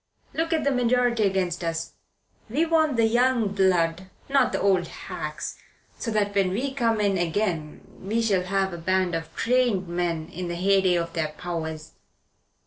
Look at the majority against us. We want the young blood not the old hacks so that when we come in again we shall have a band of trained men in the heyday of their powers.